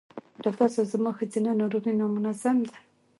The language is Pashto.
ډاکټر صېب زما ښځېنه ناروغی نامنظم ده